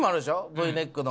Ｖネックの。